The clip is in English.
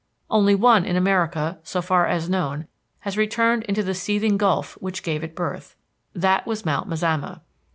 Only one in America, so far as known, has returned into the seething gulf which gave it birth. That was Mount Mazama.